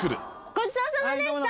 ごちそうさまでした！